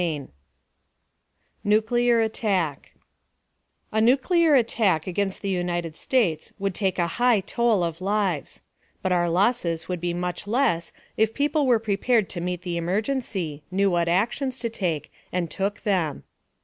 Department of Agriculture. PART ONE NUCLEAR ATTACK A nuclear attack against the United States would take a high toll of lives. But our losses would be much less if people were prepared to meet the emergency, knew what actions to take, and took them.